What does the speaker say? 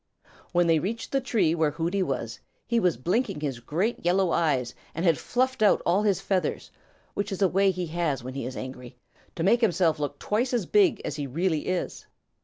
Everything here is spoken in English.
When they reached the tree where Hooty was, he was blinking his great yellow eyes and had fluffed out all his feathers, which is a way he has when he is angry, to make himself look twice as big as he really is.